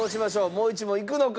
もう１問いくのか？